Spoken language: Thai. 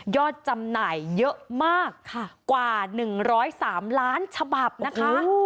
จำหน่ายเยอะมากกว่า๑๐๓ล้านฉบับนะคะ